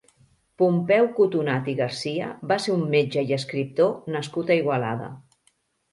Pompeu Cotonat i Garcia va ser un metge i escriptor nascut a Igualada.